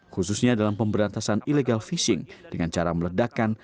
khususnya dalam pemberantasan illegal fishing dengan cara meledakan